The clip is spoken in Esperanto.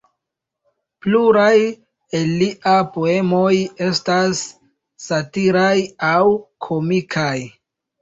Pluraj el lia poemoj estas satiraj aŭ komikaj.